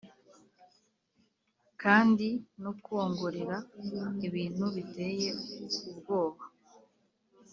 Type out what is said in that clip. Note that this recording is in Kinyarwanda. kandi no kwongorera ibintu biteye ubwoba;